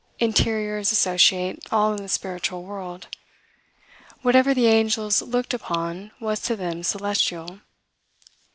Interiors associate all in the spiritual world. Whatever the angels looked upon was to them celestial.